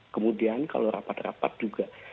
kemudian kalau rapat rapat juga